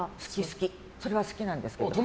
それは好きなんですけど。